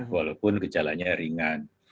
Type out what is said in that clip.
walaupun gejalanya ringan